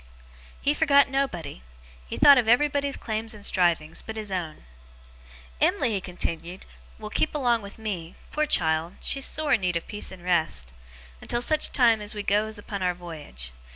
He forgot nobody. He thought of everybody's claims and strivings, but his own. 'Em'ly,' he continued, 'will keep along with me poor child, she's sore in need of peace and rest! until such time as we goes upon our voyage.